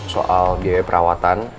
soal biaya perawatan